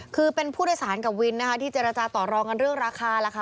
คือเป็นผู้โดยสารกับวินนะคะที่เจรจาต่อรองกันเรื่องราคาล่ะค่ะ